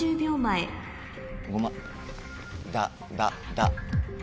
ごまだだだ。